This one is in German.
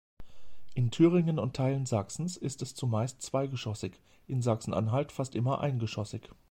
In Thüringen und Teilen Sachsens ist es zumeist zweigeschossig, in Sachsen-Anhalt fast immer eingeschossig.